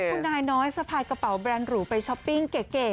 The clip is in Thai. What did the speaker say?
คุณนายน้อยสะพายกระเป๋าแบรนด์หรูไปช้อปปิ้งเก๋